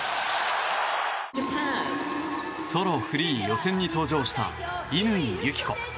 ソロフリー予選に登場した乾友紀子。